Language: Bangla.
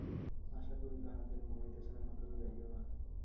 আশা কহিল, হাঁ, তিনি ঘুমাইতেছেন, এখন তুমি যাইয়ো না।